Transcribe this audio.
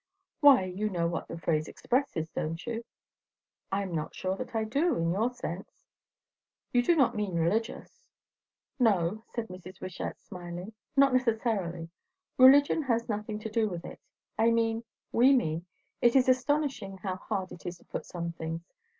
"Why, you know what that phrase expresses, don't you?" "I am not sure that I do, in your sense. You do not mean religious?" "No," said Mrs. Wishart, smiling; "not necessarily. Religion has nothing to do with it. I mean we mean It is astonishing how hard it is to put some things!